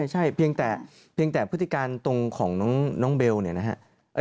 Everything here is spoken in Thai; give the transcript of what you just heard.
ใช่เพียงแต่พฤติการตรงของน้องเบลนี่นะฮะ